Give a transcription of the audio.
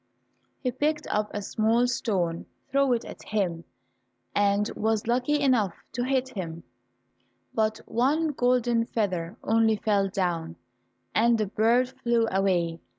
He picked up a small stone, threw it at him, and was lucky enough to hit him, but one golden feather only fell down, and the bird flew away.